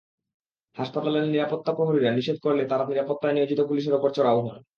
হাসপাতালের নিরাপত্তা প্রহরীরা নিষেধ করলে তাঁরা নিরাপত্তায় নিয়োজিত পুলিশের ওপর চড়াও হন।